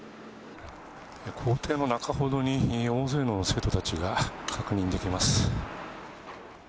校庭の中ほどに、大勢の生徒たちが確認できます。